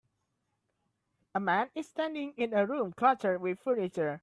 A man is standing in a room cluttered with furniture.